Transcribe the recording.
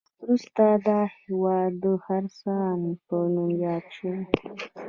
وروسته دا هیواد د خراسان په نوم یاد شو